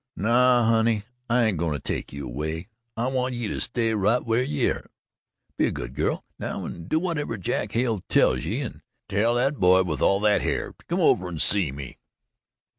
"No, honey, I ain't goin' to take you away. I want ye to stay right where ye air. Be a good girl now and do whatever Jack Hale tells ye and tell that boy with all that hair to come over and see me."